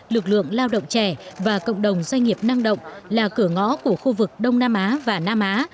lực lượng lao động trẻ và cộng đồng doanh nghiệp năng động là cửa ngõ của khu vực đông nam á và nam á